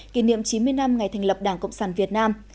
kỷ niệm chín mươi năm ngày thành lập đảng cộng sản việt nam